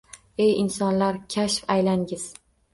Ey insonlar, kashf aylangiz